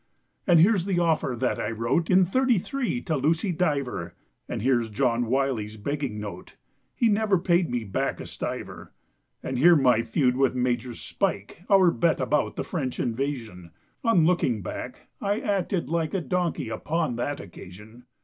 And here's the offer that I wrote In '33 to Lucy Diver; And here John Wylie's begging note— He never paid me back a stiver. And here my feud with Major Spike, Our bet about the French Invasion; On looking back I acted like A donkey upon that occasion.